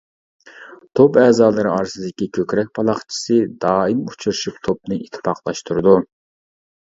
توپ ئەزالىرى ئارىسىدىكى كۆكرەك پالاقچىسى دائىم ئۇچرىشىپ توپنى ئىتتىپاقلاشتۇرىدۇ.